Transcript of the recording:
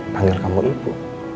panggil kamu ibu